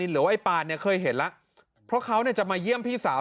เดี๋ยวว่าปานเคยเห็นแล้วเพราะเขาจะเยี่ยมพี่สาว